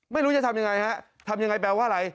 ไม่รู้จะทำอย่างไรครับทำอย่างไรแปลว่าอะไร